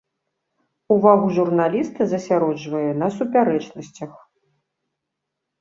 Увагу журналіста засяроджвае на супярэчнасцях.